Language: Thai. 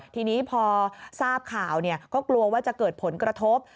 ทีนี้พอทราบข่าวก็กลัวว่าจะเกิดผลกระทบ